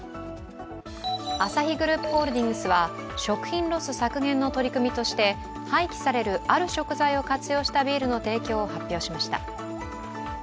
アサヒグループホールディングスは食品ロス削減の取り組みとして廃棄されるある食材を活用したビールの提供を発表しました。